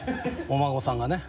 お孫さんがね